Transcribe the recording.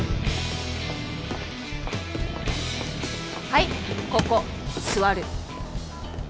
はいここ座る！